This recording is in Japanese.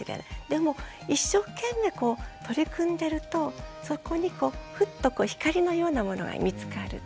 でも一生懸命こう取り組んでるとそこにこうふっとこう光のようなものが見つかる。